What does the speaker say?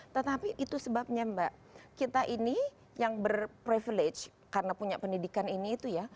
tetapi itu sebabnya mbak kita ini yang berprivilege karena punya pendidikan ini itu ya